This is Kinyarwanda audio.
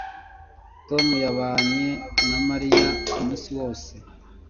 Tom yabanye na Mariya umunsi wose